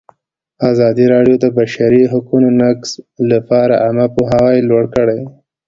ازادي راډیو د د بشري حقونو نقض لپاره عامه پوهاوي لوړ کړی.